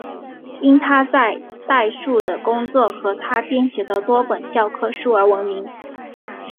因他在代数的工作和他编写的多本教科书而闻名。